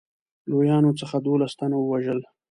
لویانو څخه دوولس تنه ووژل.